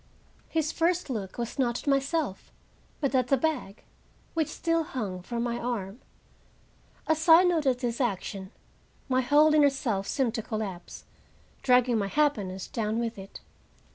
His first look was not at myself, but at the bag, which still hung from my arm. As I noted this action, my whole inner self seemed to collapse, dragging my happiness down with it.